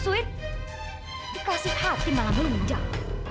disusuin dikasih hati malah belum menjauh